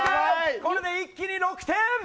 これで一気に６点！